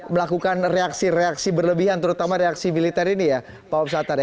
melakukan reaksi reaksi berlebihan terutama reaksi militer ini ya pak om satari